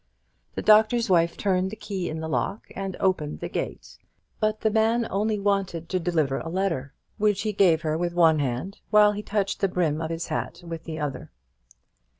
The Doctor's Wife turned the key in the lock and opened the gate; but the man only wanted to deliver a letter, which he gave her with one hand while he touched the brim of his hat with the other.